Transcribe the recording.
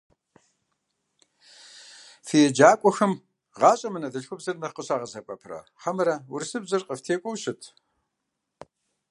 Фи еджакӀуэхэм гъащӀэм анэдэлъхубзэр нэхъ къыщагъэсэбэпрэ хьэмэрэ урысыбзэр къафӏытекӀуэу щыт?